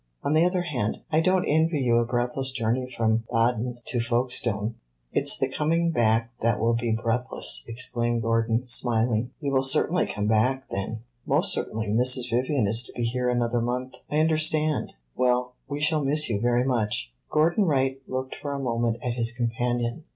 "On the other hand, I don't envy you a breathless journey from Baden to Folkestone." "It 's the coming back that will be breathless," exclaimed Gordon, smiling. "You will certainly come back, then?" "Most certainly. Mrs. Vivian is to be here another month." "I understand. Well, we shall miss you very much." Gordon Wright looked for a moment at his companion.